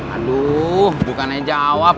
aduh bukannya jawab